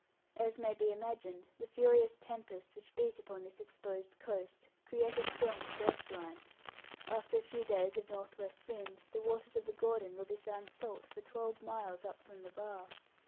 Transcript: As may be imagined, the furious tempests which beat upon this exposed coast create a strong surf line. After a few days of north west wind the waters of the Gordon will be found salt for twelve miles up from the bar.